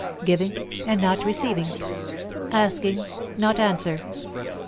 Giving, and not receiving. Asking not answer."